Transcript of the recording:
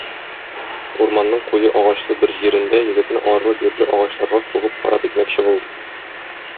Урманның куе агачлы бер җирендә егетне арлы-бирле агачларга сугып харап итмәкче булды.